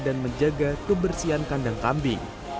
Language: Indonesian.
dan menjaga kebersihan kandang kambing